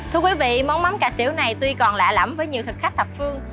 thưa quý vị món mắm cà xỉu này tuy còn lạ lẫm với nhiều thực khách thập phương